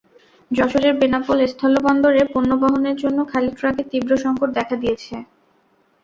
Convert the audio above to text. যশোরের বেনাপোল স্থলবন্দরে পণ্য বহনের জন্য খালি ট্রাকের তীব্র সংকট দেখা দিয়েছে।